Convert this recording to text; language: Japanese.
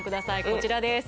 こちらです